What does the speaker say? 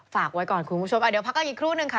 ฝากไว้ก่อนคุณผู้ชมเดี๋ยวพักกันอีกครู่นึงค่ะ